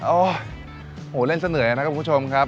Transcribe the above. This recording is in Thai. โอ้โหเล่นซะเหนื่อยนะครับคุณผู้ชมครับ